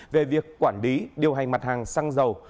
về việc quản lý điều hành mặt hàng xăng dầu